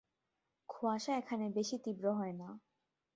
কুয়াশা এখানে বেশি তীব্র হয়না।